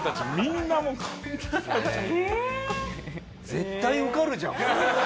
絶対受かるじゃんもう。